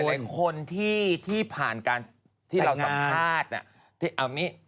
หลายคนที่ผ่านการที่เราสัมภาษณ์น่ะ